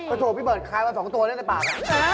ก็โถ่พี่เบิร์ตคลายว่าสองตัวเลี้ยงในปาก